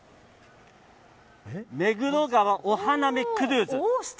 目黒川お花見クルーズ。